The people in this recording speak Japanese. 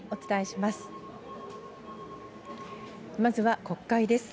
まずは国会です。